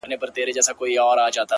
د دې سړي د هر يو رگ څخه جانان وځي _